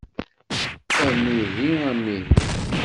Amihi, amihi!